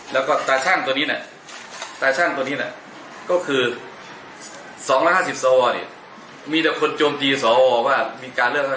แล้วก็ตราชั่งตรงนี้ก็คือ๒ละ๕๐ซาวรมีแต่คนโจมตีซาวรว่ามีการเลือก